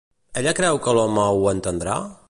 Ella creu que l'home ho entendrà?